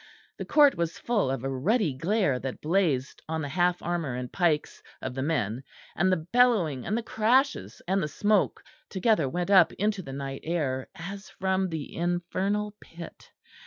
The court was full of a ruddy glare that blazed on the half armour and pikes of the men, and the bellowing and the crashes and the smoke together went up into the night air as from the infernal pit.